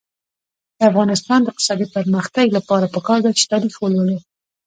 د افغانستان د اقتصادي پرمختګ لپاره پکار ده چې تاریخ ولولو.